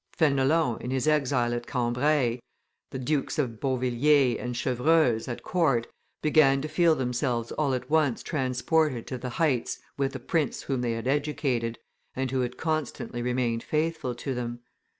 Fenelon, in his exile in Cambrai, and the Dukes of Beauvilliers and Chevreuse, at court, began to feel themselves all at once transported to the heights with the prince whom they had educated, and who had constantly remained faithful to them.